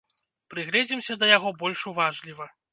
Прыгледзімся да яго больш уважліва.